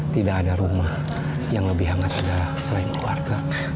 tidak ada rumah yang lebih hangat adalah selain keluarga